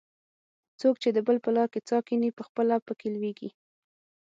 څوک چې د بل په لار کې څا کیني؛ پخپله په کې لوېږي.